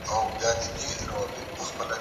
موږ د خپلو نیکونو په میړانه ویاړو.